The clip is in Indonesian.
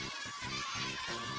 matanya dari mana